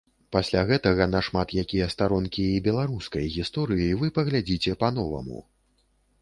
Пасля гэтага на шмат якія старонкі і беларускай гісторыі вы паглядзіце па-новаму.